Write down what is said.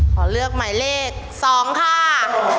ขอเลือกหมายเลข๒ค่ะ